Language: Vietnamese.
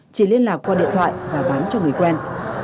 chỉ liên lạc qua điện thoại và bán cho người quen